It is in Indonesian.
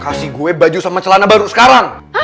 kasih gue baju sama celana baru sekarang